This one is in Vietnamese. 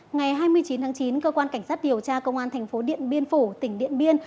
ngày hai mươi chín tháng chín cơ quan cảnh sát điều tra công an thành phố điện biên phủ tỉnh điện biên